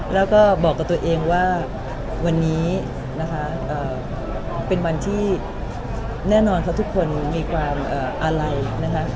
แล้วก็บอกกับตัวเองว่าวันนี้นะคะเป็นวันที่แน่นอนค่ะทุกคนมีความอาลัยนะคะ